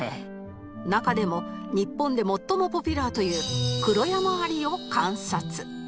中でも日本で最もポピュラーというクロヤマアリを観察